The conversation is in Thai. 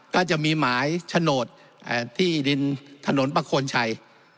ก็จะมีหมายโฉนดที่ดินถนนประโคนชัย